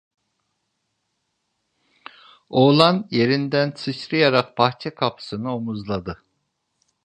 Oğlan yerinden sıçrayarak bahçe kapısını omuzladı.